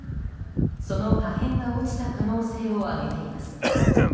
その破片が落ちた可能性を挙げています。